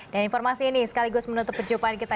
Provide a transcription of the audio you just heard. dan informasi ini sekaligus menutup perjumpaan kita